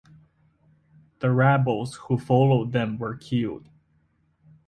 The rebels who followed them were killed.